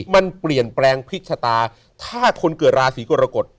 มันเปลี่ยนแปลงพลิกชะตาถ้าคนเกิดราศีกรกฎ